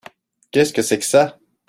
Qu'est-ce que c'est que ça ?